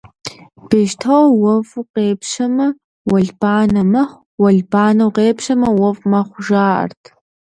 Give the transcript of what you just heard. Бещто уэфӀу къепщэмэ, уэлбанэ мэхъу, уэлбанэу къепщэмэ, уэфӀ мэхъу, жаӀэрт.